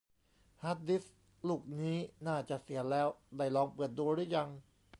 ฮาร์ดดิสก์ลูกนี้น่าจะเสียแล้ว ได้ลองเปิดดูรึยัง